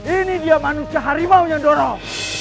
ini dia manusia harimau yang dorong